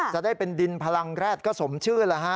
จะได้เป็นดินพลังแร็ดก็สมชื่อแล้วฮะ